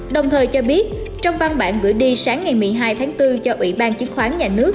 đồng thời cho biết trong văn bản gửi đi sáng ngày một mươi hai tháng bốn cho ủy ban chứng khoán nhà nước